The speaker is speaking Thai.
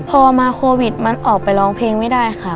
พอมาโควิดมันออกไปร้องเพลงไม่ได้ค่ะ